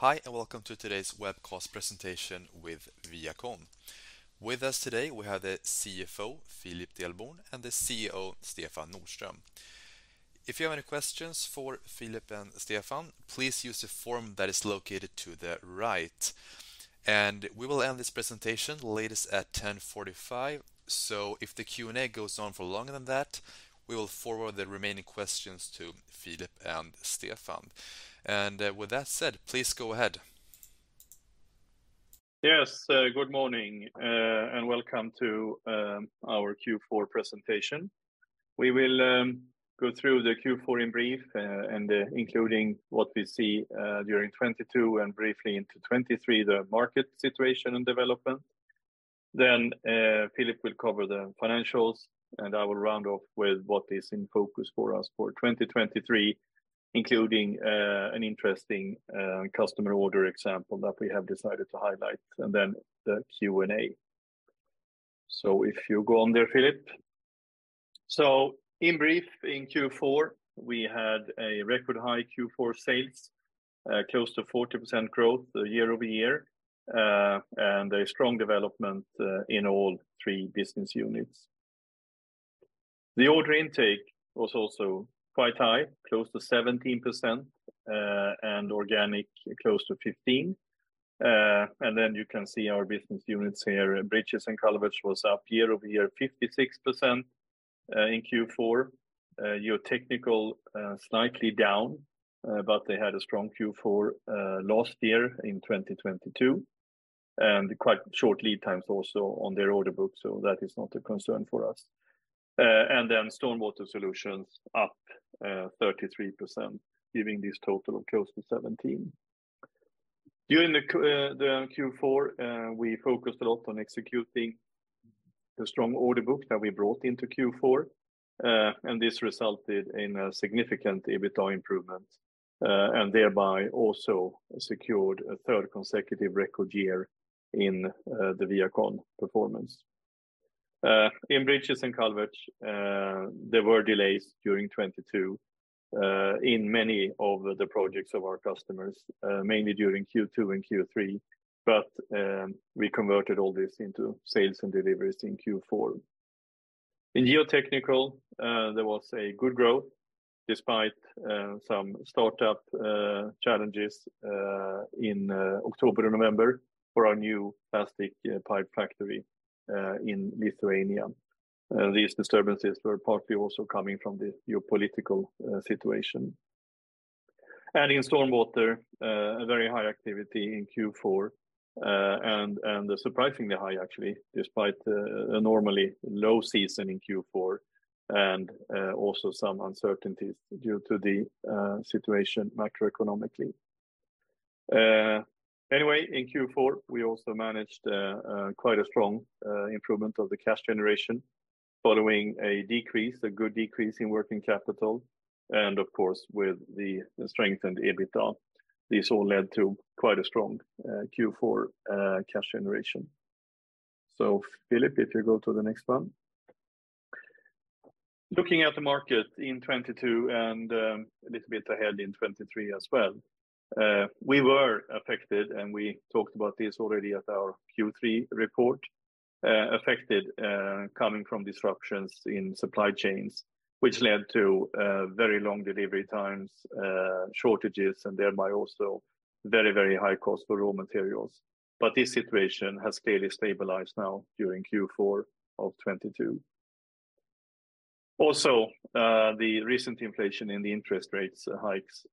Hi, welcome to today's webcast presentation with ViaCon. With us today, we have the CFO, Philip Delin, and the CEO, Stefan Nordström. If you have any questions for Philip and Stefan, please use the form that is located to the right. We will end this presentation latest at 10:45 A.M. If the Q&A goes on for longer than that, we will forward the remaining questions to Philip and Stefan. With that said, please go ahead. Yes, good morning, and welcome to our Q4 presentation. We will go through the Q4 in brief, and including what we see during 2022 and briefly into 2023, the market situation and development. Philip will cover the financials, and I will round off with what is in focus for us for 2023, including an interesting customer order example that we have decided to highlight, and then the Q&A. If you go on there, Philip. In brief, in Q4, we had a record high Q4 sales, close to 40% growth year-over-year, and a strong development in all three business units. The order intake was also quite high, close to 17%, and organic, close to 15%. You can see our business units here, Bridges & Culverts was up year-over-year 56% in Q4 GeoTechnical slightly down, but they had a strong Q4 last year in 2022, and quite short lead times also on their order book, so that is not a concern for us. StormWater Solutions up 33%, giving this total of close to 17%. During the Q4, we focused a lot on executing the strong order book that we brought into Q4, and this resulted in a significant EBITDA improvement, and thereby also secured a third consecutive record year in the ViaCon performance. In Bridges & Culverts, there were delays during 2022 in many of the projects of our customers, mainly during Q2 and Q3. We converted all this into sales and deliveries in Q4. In GeoTechnical, there was a good growth despite some startup challenges in October and November for our new plastic pipe factory in Lithuania. These disturbances were partly also coming from the geopolitical situation. In StormWater, a very high activity in Q4, and surprisingly high actually, despite a normally low season in Q4 and also some uncertainties due to the situation macroeconomically. Anyway, in Q4, we also managed quite a strong improvement of the cash generation following a good decrease in working capital and of course, with the strengthened EBITDA. This all led to quite a strong Q4 cash generation. Philip, if you go to the next one. Looking at the market in 2022 and a little bit ahead in 2023 as well, we were affected, and we talked about this already at our Q3 report, affected, coming from disruptions in supply chains, which led to very long delivery times, shortages, and thereby also very, very high cost for raw materials. This situation has clearly stabilized now during Q4 of 2022. Also, the recent inflation and the interest rates hikes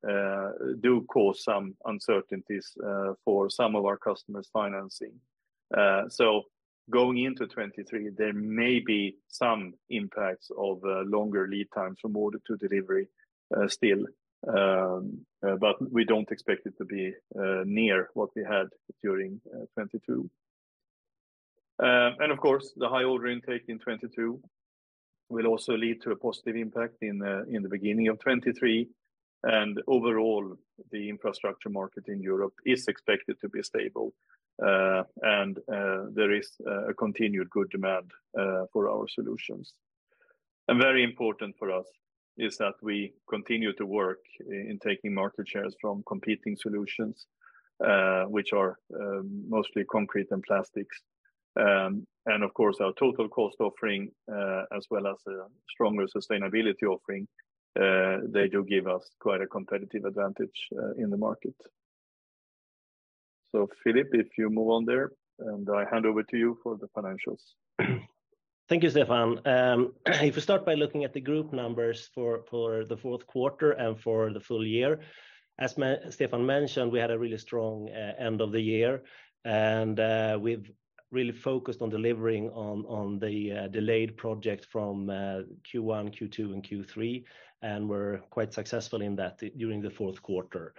do cause some uncertainties for some of our customers' financing. Going into 2023, there may be some impacts of longer lead times from order to delivery, still, but we don't expect it to be near what we had during 2022. Of course, the high order intake in 2022 will also lead to a positive impact in the beginning of 2023. Overall, the infrastructure market in Europe is expected to be stable, and there is a continued good demand for our solutions. Very important for us is that we continue to work in taking market shares from competing solutions, which are mostly concrete and plastics. Of course, our total cost offering, as well as a stronger sustainability offering, they do give us quite a competitive advantage in the market. Philip, if you move on there, and I hand over to you for the financials. Thank you, Stefan. If we start by looking at the group numbers for the fourth quarter and for the full year, as Stefan mentioned, we had a really strong end of the year, and we've really focused on delivering on the delayed project from Q1, Q2, and Q3, and we're quite successful in that during the fourth quarter.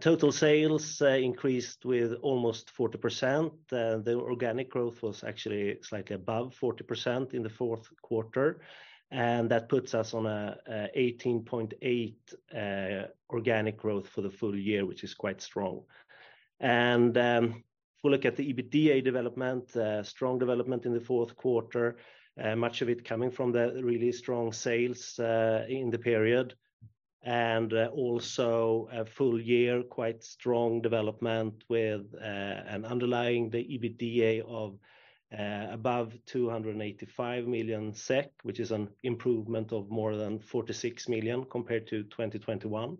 Total sales increased with almost 40%. The organic growth was actually slightly above 40% in the fourth quarter, and that puts us on a 18.8 organic growth for the full year, which is quite strong. If we look at the EBITDA development, strong development in the fourth quarter, much of it coming from the really strong sales in the period. Also a full year, quite strong development with an underlying the EBITDA of above 285 million SEK, which is an improvement of more than 46 million compared to 2021.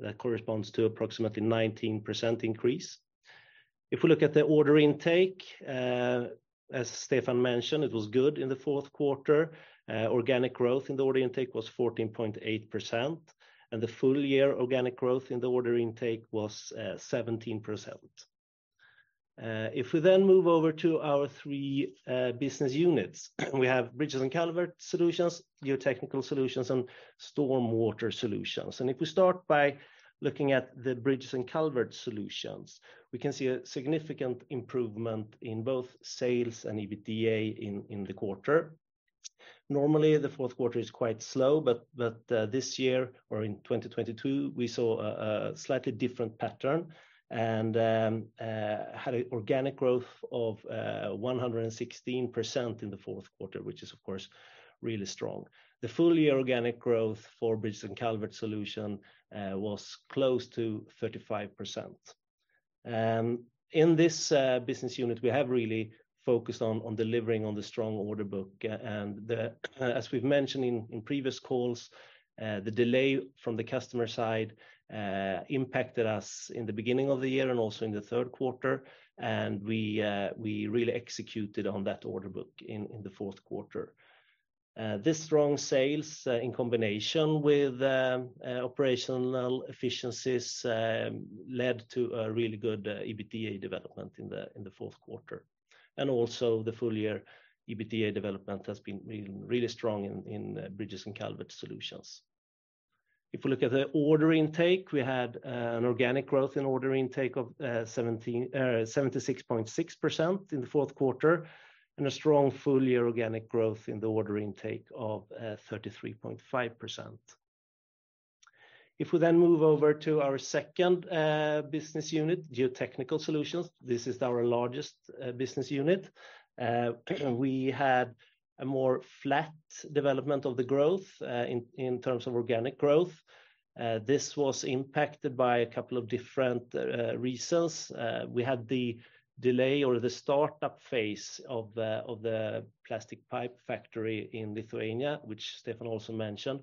That corresponds to approximately 19% increase. If we look at the order intake, as Stefan mentioned, it was good in the fourth quarter. Organic growth in the order intake was 14.8%, and the full year organic growth in the order intake was 17%. If we then move over to our three business units, we have Bridges & Culverts Solutions, GeoTechnical Solutions, and StormWater Solutions. If we start by looking at the Bridges & Culverts Solutions, we can see a significant improvement in both sales and EBITDA in the quarter. Normally, the fourth quarter is quite slow, but this year or in 2022, we saw a slightly different pattern and had organic growth of 116% in the fourth quarter, which is of course really strong. The full year organic growth for Bridges & Culverts Solutions was close to 35%. In this business unit, we have really focused on delivering on the strong order book. As we've mentioned in previous calls, the delay from the customer side impacted us in the beginning of the year and also in the third quarter. We really executed on that order book in the fourth quarter. This strong sales, in combination with operational efficiencies, led to a really good EBITDA development in the fourth quarter. Also the full year EBITDA development has been really strong in Bridges & Culverts Solutions. If we look at the order intake, we had an organic growth in order intake of 76.6% in the fourth quarter and a strong full year organic growth in the order intake of 33.5%. If we then move over to our second business unit, GeoTechnical Solutions, this is our largest business unit. We had a more flat development of the growth in terms of organic growth. This was impacted by a couple of different reasons. We had the delay or the startup phase of the plastic pipe factory in Lithuania, which Stefan also mentioned.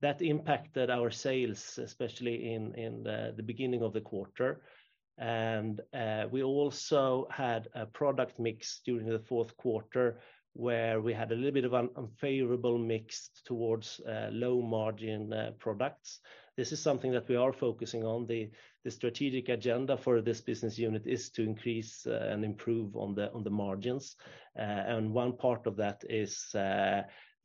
That impacted our sales, especially in the beginning of the quarter. We also had a product mix during the fourth quarter where we had a little bit of unfavorable mix towards low margin products. This is something that we are focusing on. The strategic agenda for this business unit is to increase and improve on the margins. One part of that is the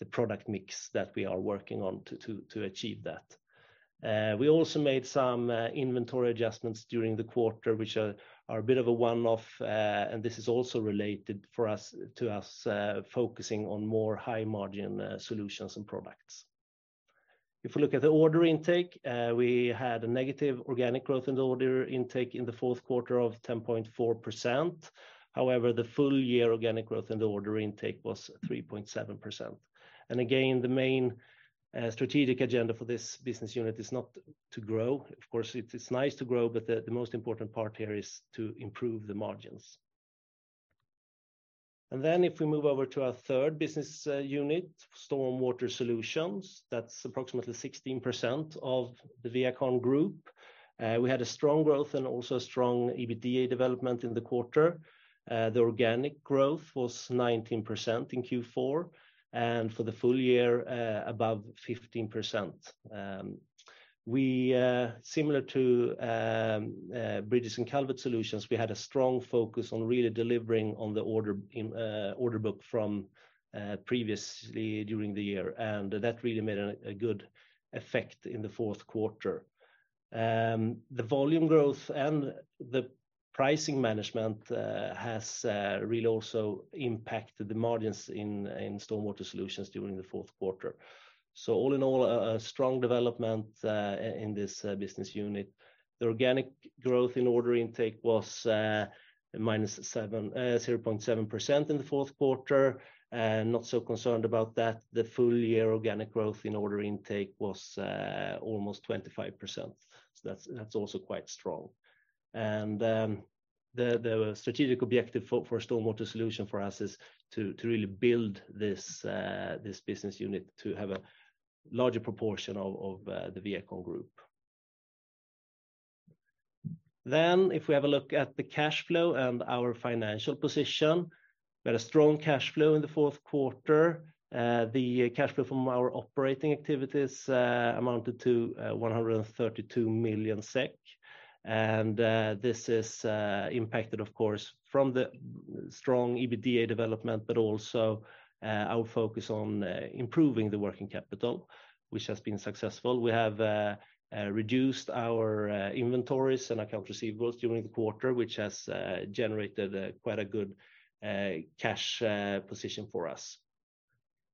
product mix that we are working on to achieve that. We also made some inventory adjustments during the quarter, which are a bit of a one-off, and this is also related to us focusing on more high margin solutions and products. If we look at the order intake, we had a negative organic growth in the order intake in the fourth quarter of 10.4%. However, the full year organic growth in the order intake was 3.7%. Again, the main strategic agenda for this business unit is not to grow. Of course, it's nice to grow, but the most important part here is to improve the margins. If we move over to our third business unit, StormWater Solutions, that's approximately 16% of the ViaCon Group. We had a strong growth and also a strong EBITDA development in the quarter. The organic growth was 19% in Q4, and for the full year, above 15%. We, similar to Bridges & Culverts Solutions, we had a strong focus on really delivering on the order in order book from previously during the year. That really made a good effect in the fourth quarter. The volume growth and the pricing management has really also impacted the margins in Stormwater Solutions during the fourth quarter. All in all, a strong development in this business unit. The organic growth in order intake was minus 0.7% in the fourth quarter. Not so concerned about that. The full year organic growth in order intake was almost 25%. That's also quite strong. The strategic objective for StormWater Solutions for us is to really build this business unit to have a larger proportion of the ViaCon Group. If we have a look at the cash flow and our financial position, we had a strong cash flow in the fourth quarter. The cash flow from our operating activities amounted to 132 million SEK. This is impacted of course from the strong EBITDA development, but also our focus on improving the working capital, which has been successful. We have reduced our inventories and account receivables during the quarter, which has generated quite a good cash position for us.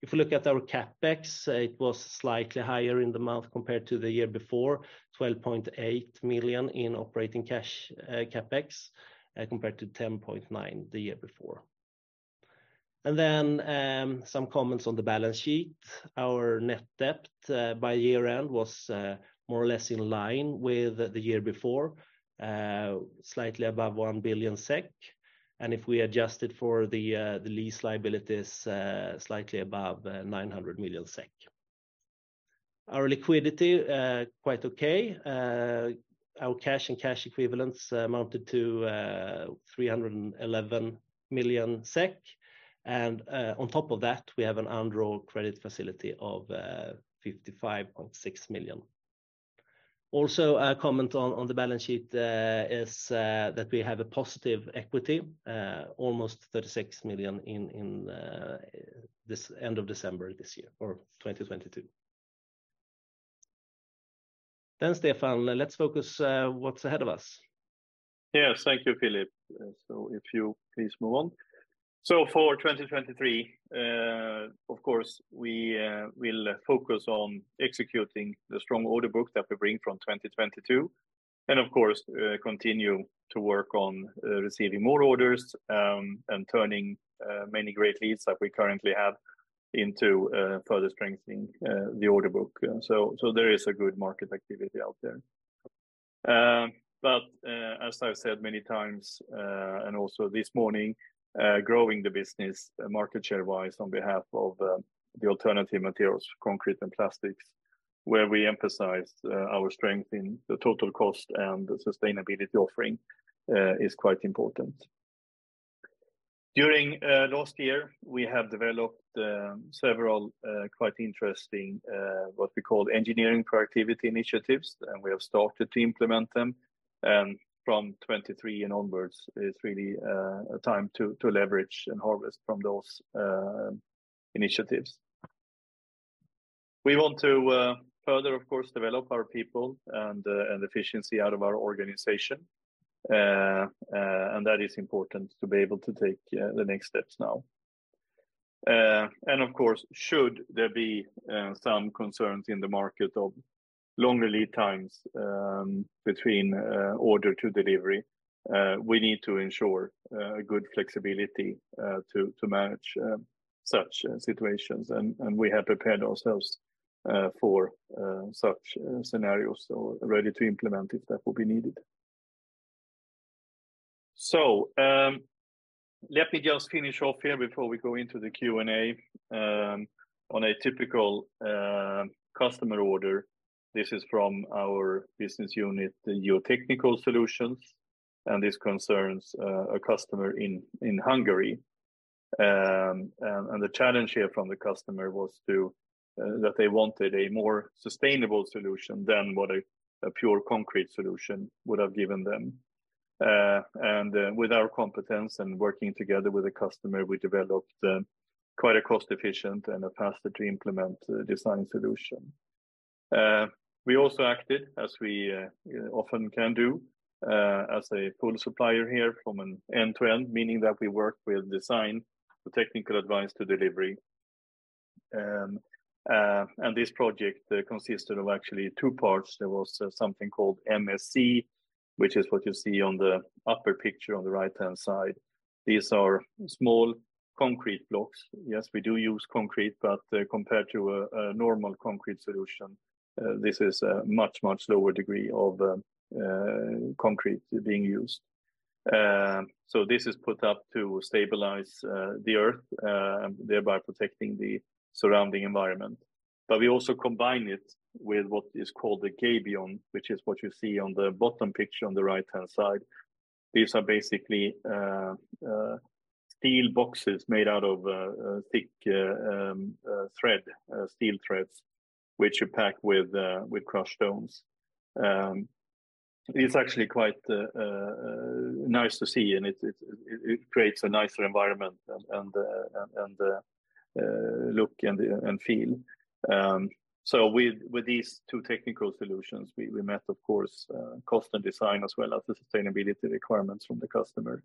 If we look at our CapEx, it was slightly higher in the month compared to the year before, 12.8 million in operating cash CapEx compared to 10.9 the year before. Some comments on the balance sheet. Our net debt by year-end was more or less in line with the year before, slightly above 1 billion SEK. If we adjust it for the lease liabilities, slightly above 900 million SEK. Our liquidity quite okay. Our cash and cash equivalents amounted to 311 million SEK. On top of that, we have an undrawn credit facility of 55.6 million. Also, a comment on the balance sheet is that we have a positive equity almost 36 million in this end of December this year or 2022. Stefan, let's focus on what's ahead of us. Yes. Thank you, Philip. If you please move on. For 2023, of course, we will focus on executing the strong order book that we bring from 2022 and of course, continue to work on receiving more orders and turning many great leads that we currently have into further strengthening the order book. There is a good market activity out there. As I've said many times, and also this morning, growing the business market share wise on behalf of the alternative materials, concrete and plastics, where we emphasize our strength in the total cost and the sustainability offering, is quite important. During last year, we have developed several quite interesting what we call engineering productivity initiatives, and we have started to implement them. From 23 and onwards is really a time to leverage and harvest from those initiatives. We want to further, of course, develop our people and efficiency out of our organization. That is important to be able to take the next steps now. Of course, should there be some concerns in the market of longer lead times, between order to delivery, we need to ensure good flexibility to manage such situations. We have prepared ourselves for such scenarios, so ready to implement if that will be needed. Let me just finish off here before we go into the Q&A. On a typical customer order, this is from our business unit, the GeoTechnical Solutions, and this concerns a customer in Hungary. The challenge here from the customer was to that they wanted a more sustainable solution than what a pure concrete solution would have given them. With our competence and working together with the customer, we developed quite a cost-efficient and a faster-to-implement design solution. We also acted as we often can do, as a full supplier here from an end-to-end, meaning that we work with design, the technical advice to delivery. This project consisted of actually two parts. There was something called MSE, which is what you see on the upper picture on the right-hand side. These are small concrete blocks. Yes, we do use concrete, but compared to a normal concrete solution, this is a much, much lower degree of concrete being used. This is put up to stabilize the earth, thereby protecting the surrounding environment. We also combine it with what is called the gabion, which is what you see on the bottom picture on the right-hand side. These are basically steel boxes made out of thick thread steel threads, which are packed with crushed stones. It's actually quite nice to see, and it creates a nicer environment and look and feel. With these two technical solutions, we met, of course, cost and design as well as the sustainability requirements from the customer.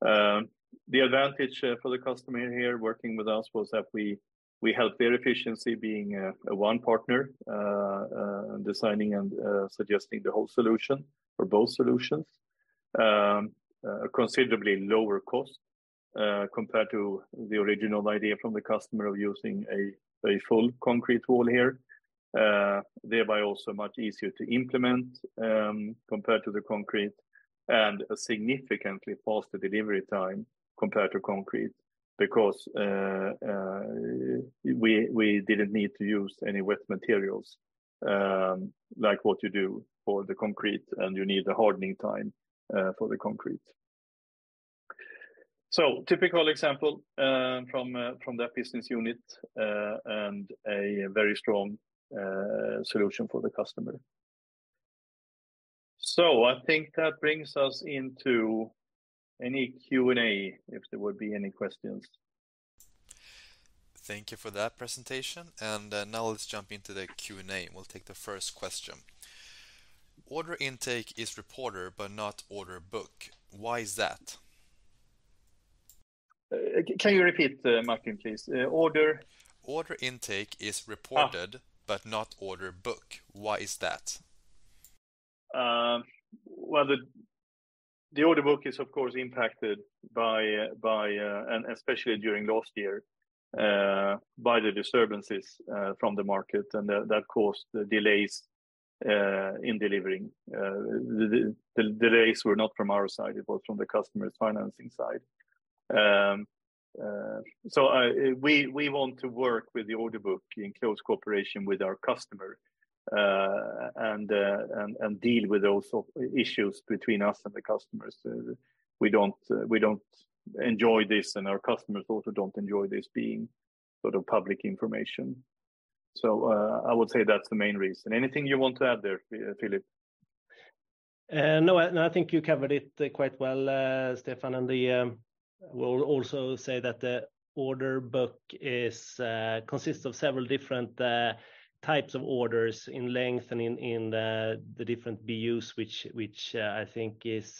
The advantage for the customer here working with us was that we help their efficiency being one partner designing and suggesting the whole solution for both solutions. A considerably lower cost compared to the original idea from the customer of using a full concrete wall here, thereby also much easier to implement compared to the concrete and a significantly faster delivery time compared to concrete because we didn't need to use any wet materials like what you do for the concrete, and you need a hardening time for the concrete. Typical example from that business unit and a very strong solution for the customer. I think that brings us into any Q&A, if there would be any questions. Thank you for that presentation. Now let's jump into the Q&A, and we'll take the first question. Order intake is reported but not order book. Why is that? Can you repeat, Martin, please? Order... Order intake is reported. Ah not order book. Why is that? Well, the order book is, of course, impacted by and especially during last year, by the disturbances from the market and that caused the delays in delivering. The delays were not from our side, it was from the customer's financing side. We want to work with the order book in close cooperation with our customer and deal with those issues between us and the customers. We don't enjoy this, and our customers also don't enjoy this being sort of public information. I would say that's the main reason. Anything you want to add there, Philip? No, I think you covered it quite well, Stefan, and the, we'll also say that the order book consists of several different types of orders in length and in the different BUs, which, I think is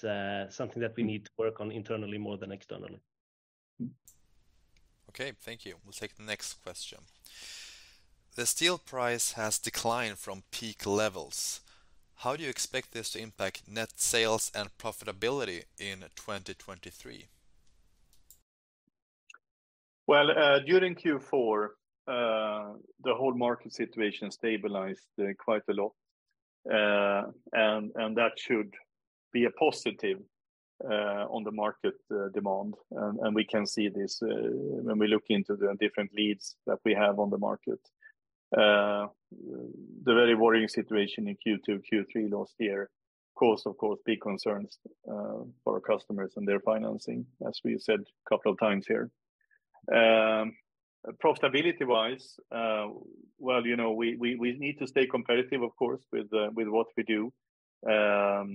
something that we need to work on internally more than externally. Okay, thank you. We'll take the next question. The steel price has declined from peak levels. How do you expect this to impact net sales and profitability in 2023? Well, during Q4, the whole market situation stabilized quite a lot. That should be a positive on the market demand. We can see this when we look into the different leads that we have on the market. The very worrying situation in Q2, Q3 last year caused, of course, big concerns for our customers and their financing, as we said a couple of times here. Profitability-wise, well, you know, we need to stay competitive, of course, with what we do. We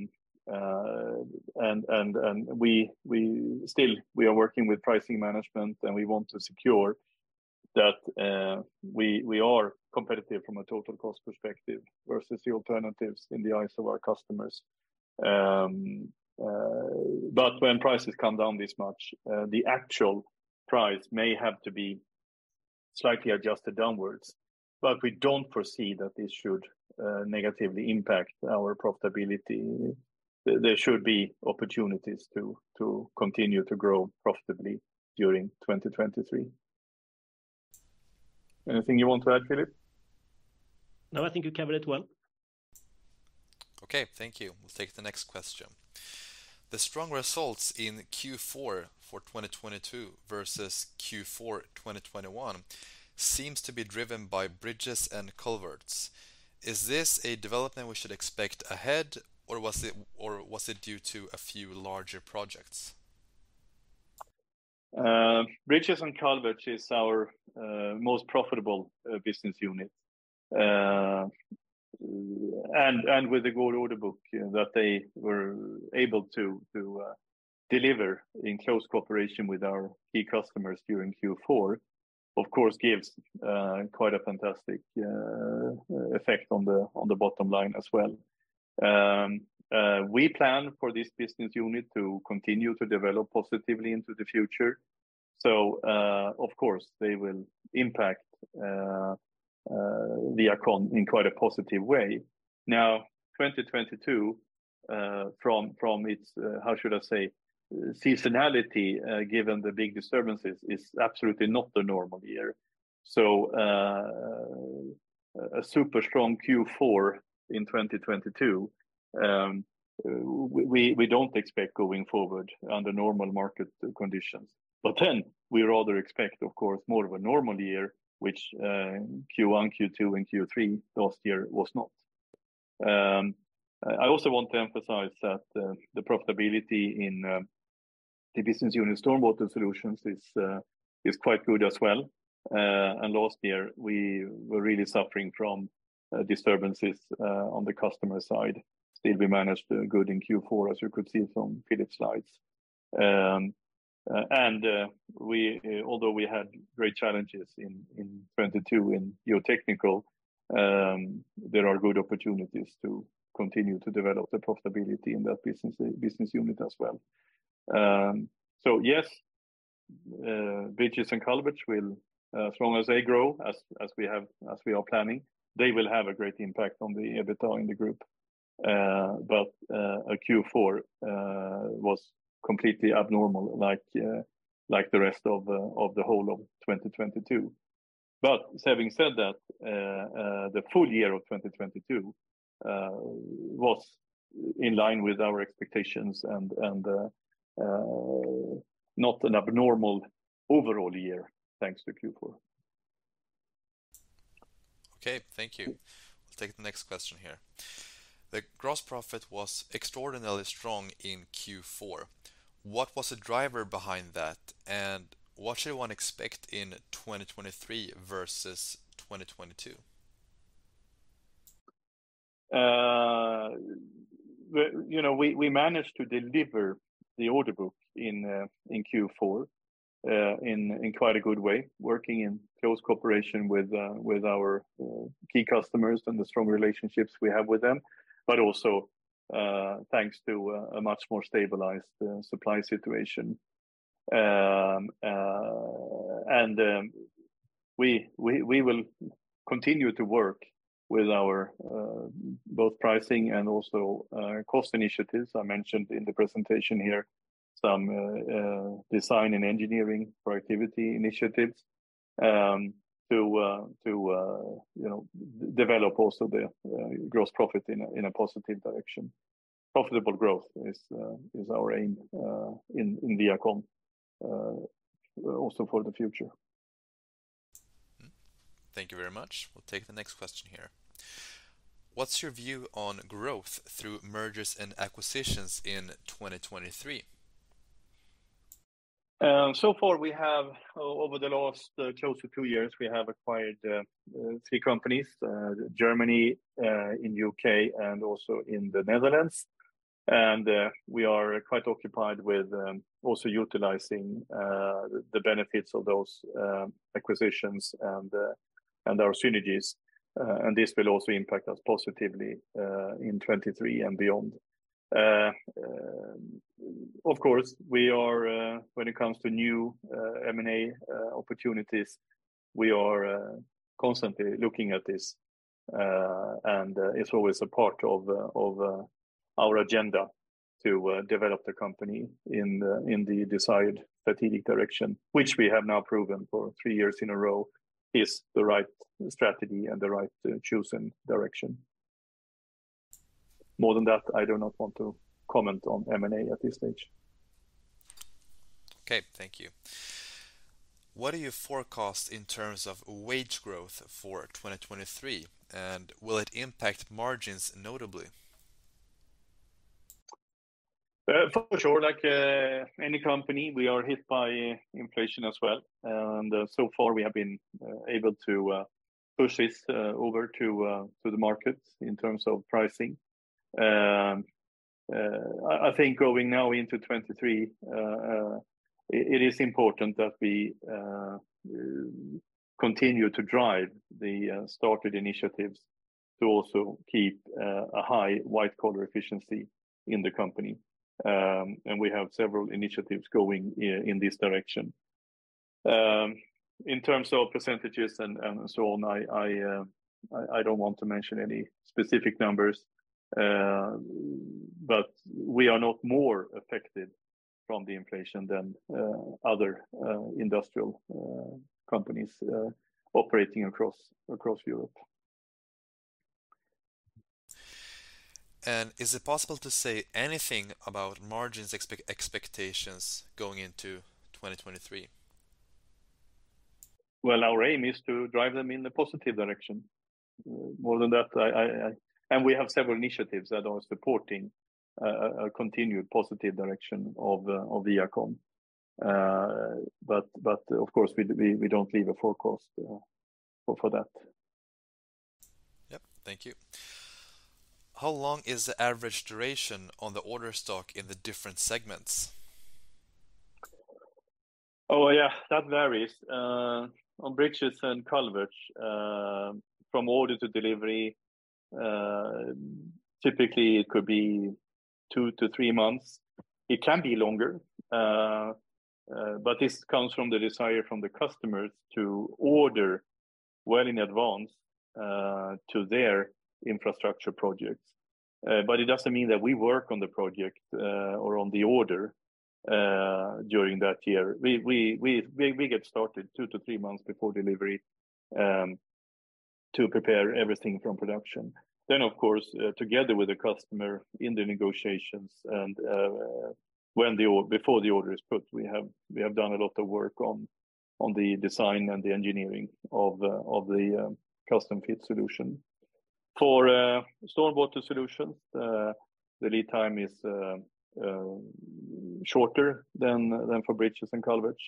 still are working with pricing management, and we want to secure that we are competitive from a total cost perspective versus the alternatives in the eyes of our customers. When prices come down this much, the actual price may have to be slightly adjusted downwards. We don't foresee that this should negatively impact our profitability. There should be opportunities to continue to grow profitably during 2023. Anything you want to add, Philip? No, I think you covered it well. Okay, thank you. We'll take the next question. The strong results in Q4 for 2022 versus Q4 2021 seems to be driven by Bridges & Culverts. Is this a development we should expect ahead, or was it due to a few larger projects? Bridges & Culverts is our most profitable business unit. With the good order book that they were able to deliver in close cooperation with our key customers during Q4, of course gives quite a fantastic effect on the bottom line as well. We plan for this business unit to continue to develop positively into the future. Of course, they will impact in quite a positive way. Now, 2022, from its how should I say, seasonality, given the big disturbances, is absolutely not the normal year. A super strong Q4 in 2022, we don't expect going forward under normal market conditions. We rather expect, of course, more of a normal year, which Q1, Q2, and Q3 last year was not. I also want to emphasize that the profitability in the business unit StormWater Solutions is quite good as well. Last year, we were really suffering from disturbances on the customer side. Still, we managed good in Q4, as you could see from Philip's slides. Although we had great challenges in 2022 in geotechnical, there are good opportunities to continue to develop the profitability in that business unit as well. Yes, bridges and culverts will, as long as they grow as we have, as we are planning, they will have a great impact on the EBITDA in the group. Q4 was completely abnormal like the rest of the whole of 2022. Having said that, the full year of 2022 was in line with our expectations and not an abnormal overall year, thanks to Q4. Okay, thank you. We'll take the next question here. The gross profit was extraordinarily strong in Q4. What was the driver behind that, and what should one expect in 2023 versus 2022? You know, we managed to deliver the order book in Q4 in quite a good way, working in close cooperation with our key customers and the strong relationships we have with them, also thanks to a much more stabilized supply situation. We will continue to work with our both pricing and also cost initiatives. I mentioned in the presentation here some design and engineering productivity initiatives to you know, develop also the gross profit in a positive direction. Profitable growth is our aim in ViaCon also for the future. Mm-hmm. Thank you very much. We'll take the next question here. What's your view on growth through mergers and acquisitions in 2023? So far we have, over the last, close to two years, we have acquired 3 companies, Germany, in UK and also in the Netherlands. We are quite occupied with also utilizing the benefits of those acquisitions and our synergies, and this will also impact us positively in 2023 and beyond. Of course, we are, when it comes to new M&A opportunities, we are constantly looking at this, and it's always a part of our agenda to develop the company in the desired strategic direction, which we have now proven for three years in a row is the right strategy and the right chosen direction. More than that, I do not want to comment on M&A at this stage. Okay, thank you. What are your forecasts in terms of wage growth for 2023? Will it impact margins notably? For sure, like any company, we are hit by inflation as well. So far we have been able to push this over to the markets in terms of pricing. I think going now into 2023, it is important that we continue to drive the started initiatives to also keep a high white collar efficiency in the company. We have several initiatives going in this direction. In terms of percentages and so on, I don't want to mention any specific numbers, we are not more affected from the inflation than other industrial companies operating across Europe. Is it possible to say anything about margins expectations going into 2023? Well, our aim is to drive them in the positive direction. More than that, I. We have several initiatives that are supporting a continued positive direction of ViaCon. But of course, we don't leave a forecast for that. Yep. Thank you. How long is the average duration on the order stock in the different segments? Oh, yeah, that varies. On bridges and culverts, from order to delivery, typically it could be 2-3 months. It can be longer, this comes from the desire from the customers to order well in advance to their infrastructure projects. It doesn't mean that we work on the project or on the order during that year. We get started 2-3 months before delivery to prepare everything from production. Of course, together with the customer in the negotiations and when before the order is put, we have done a lot of work on the design and the engineering of the custom fit solution. For Stormwater Solutions, the lead time is shorter than for bridges and culverts.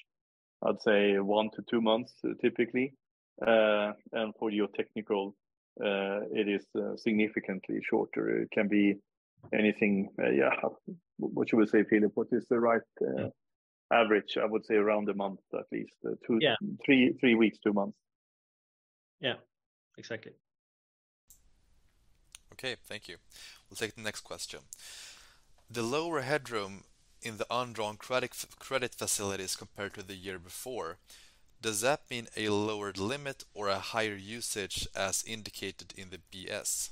I'd say one to two months, typically. For geotechnical, it is significantly shorter. It can be anything. What you would say, Philip, what is the right average? I would say around 1 month, at least. Yeah... three weeks, two months. Yeah. Exactly. Okay, thank you. We'll take the next question. The lower headroom in the undrawn credit facilities compared to the year before, does that mean a lower limit or a higher usage as indicated in the BS?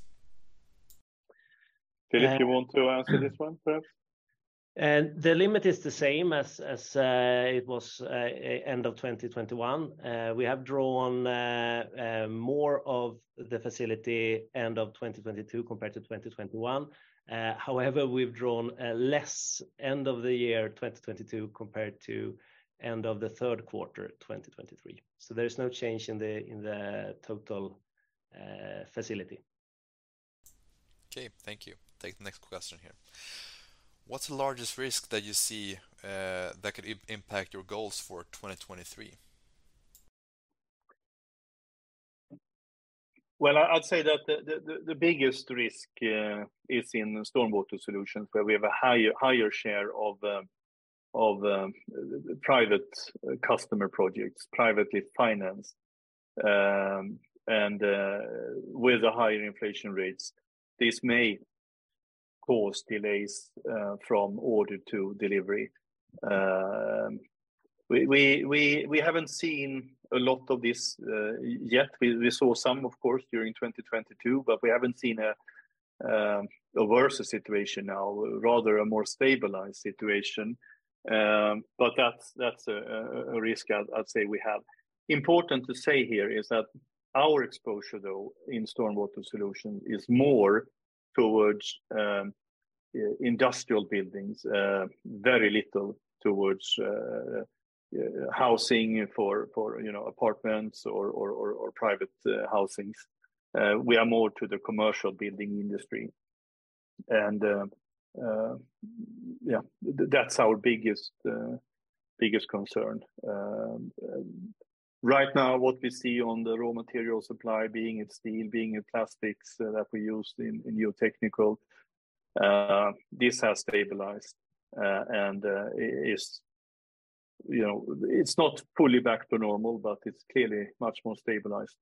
Philip- And-... do you want to answer this one first? The limit is the same as it was end of 2021. We have drawn more of the facility end of 2022 compared to 2021. However, we've drawn less end of the year 2022 compared to end of the third quarter 2023. There is no change in the total facility. Okay, thank you. Take the next question here. What's the largest risk that you see that could impact your goals for 2023? I'd say that the biggest risk is in StormWater Solutions where we have a higher share of private customer projects, privately financed. With the higher inflation rates, this may cause delays from order to delivery. We haven't seen a lot of this yet. We saw some of course during 2022, but we haven't seen a worse situation now, rather a more stabilized situation. That's a risk I'd say we have. Important to say here is that our exposure though in StormWater Solutions is more towards industrial buildings, very little towards housing for, you know, apartments or private housings. We are more to the commercial building industry and, yeah, that's our biggest concern. Right now, what we see on the raw material supply being in steel, being in plastics that we use in new technical, this has stabilized. You know, it's not fully back to normal, but it's clearly much more stabilized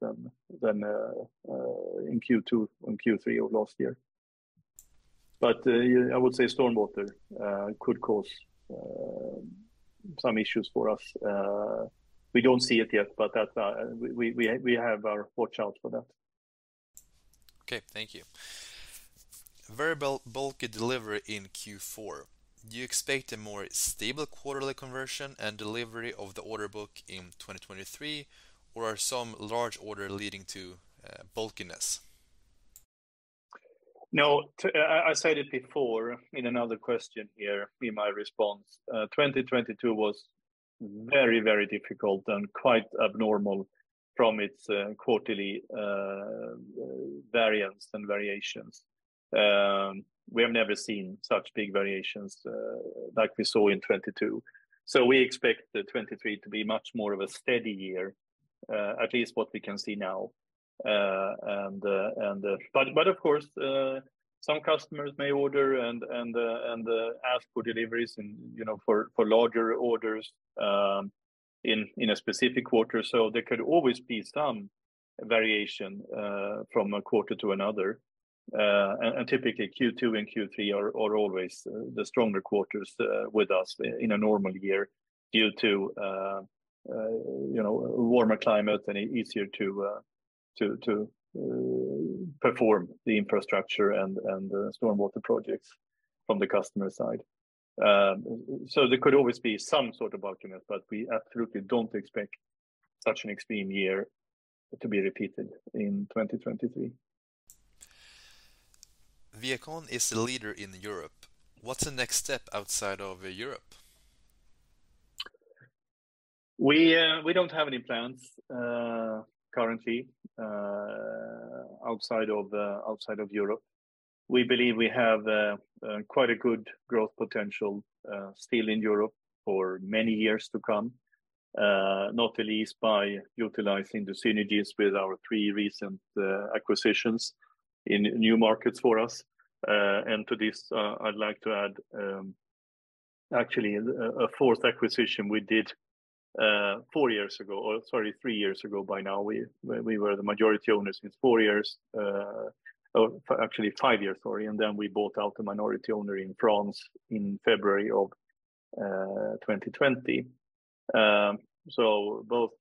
than in Q2 and Q3 of last year. I would say stormwater could cause some issues for us. We don't see it yet, but that we have our watch out for that. Okay, thank you. Very bulky delivery in Q4. Do you expect a more stable quarterly conversion and delivery of the order book in 2023, or are some large order leading to bulkiness? No. I said it before in another question here in my response. 2022 was very, very difficult and quite abnormal from its quarterly variance and variations. We have never seen such big variations like we saw in 2022. We expect the 2023 to be much more of a steady year, at least what we can see now. Of course, some customers may order and ask for deliveries and, you know, for larger orders in a specific quarter. There could always be some variation from a quarter to another. Typically Q2 and Q3 are always the stronger quarters, with us in a normal year due to, you know, warmer climate and easier to perform the infrastructure and the stormwater projects from the customer side. There could always be some sort of bulkiness, but we absolutely don't expect such an extreme year to be repeated in 2023. ViaCon is the leader in Europe. What's the next step outside of Europe? We don't have any plans currently outside of Europe. We believe we have quite a good growth potential still in Europe for many years to come. Not least by utilizing the synergies with our three recent acquisitions in new markets for us. To this, I'd like to add actually a fourth acquisition we did four years ago, or sorry, three years ago by now. We were the majority owners since four years, or actually five years, sorry, and then we bought out the minority owner in France in February of 2020. Both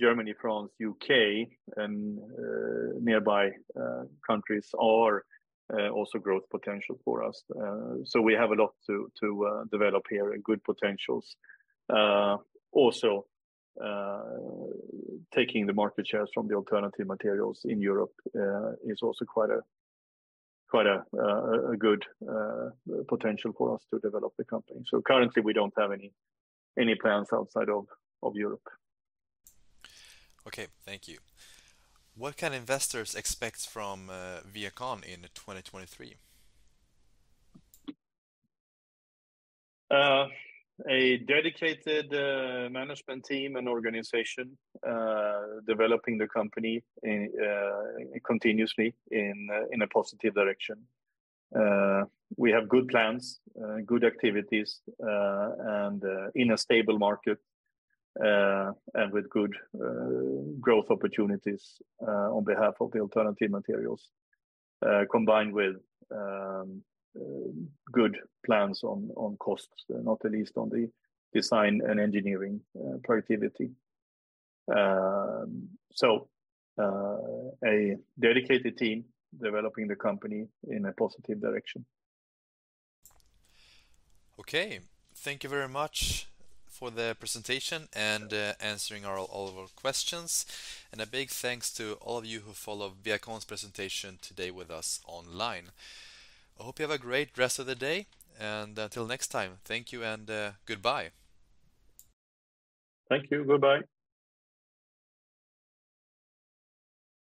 Germany, France, UK and nearby countries are also growth potential for us. We have a lot to develop here and good potentials. Also, taking the market shares from the alternative materials in Europe, is also quite a good potential for us to develop the company. Currently we don't have any plans outside of Europe. Okay. Thank you. What can investors expect from ViaCon in 2023? A dedicated management team and organization developing the company continuously in a positive direction. We have good plans, good activities, and in a stable market and with good growth opportunities on behalf of the alternative materials combined with good plans on costs, not at least on the design and engineering productivity. A dedicated team developing the company in a positive direction. Okay. Thank you very much for the presentation and answering all of our questions. A big thanks to all of you who followed ViaCon's presentation today with us online. I hope you have a great rest of the day, and until next time, thank you and goodbye. Thank you. Goodbye.